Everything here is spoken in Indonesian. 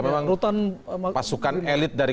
memang pasukan elit dari